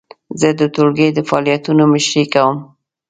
زه د ټولګي د فعالیتونو مشري کوم.